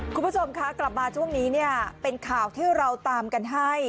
คุณผู้ชมคะกลับมาช่วงนี้เนี่ยเป็นข่าวที่เราตามกันให้